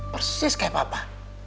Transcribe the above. persis kayak papa